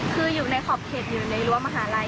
คืออยู่ในขอบเขตอยู่ในรั้วมหาลัย